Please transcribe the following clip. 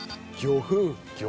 魚粉！